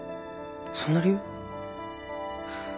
そんな理由？